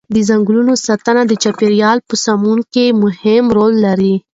د ځنګلونو ساتنه د چاپیریال په سمون کې مهم رول لري.